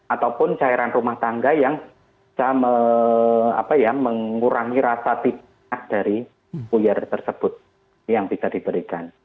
ataupun cairan rumah tangga yang bisa mengurangi rasa tidak dari puyar tersebut yang bisa diberikan